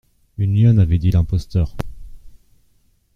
«Une lionne,» avait dit l’imposteur.